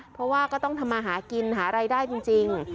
เพราะว่าก็ต้องทำมาหากินหารายได้จริง